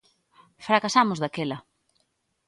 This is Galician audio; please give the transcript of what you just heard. Fracasamos daquela.